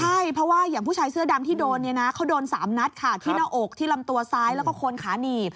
ใช่เพราะว่าอย่างผู้ชายเสื้อดำที่โดนเนี่ยนะเขาโดน๓นัดค่ะที่หน้าอกที่ลำตัวซ้ายแล้วก็คนขาหนีบ